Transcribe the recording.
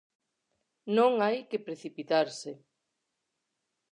Non hai que precipitarse.